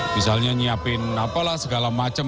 misalnya nyiapin apalah segala macam